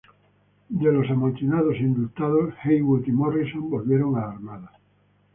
De los amotinados indultados, Heywood y Morrison volvieron a la Armada.